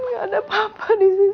gak ada papa disisi mama